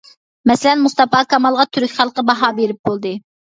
مەسىلەن، مۇستاپا كامالغا تۈرك خەلقى باھا بېرىپ بولدى.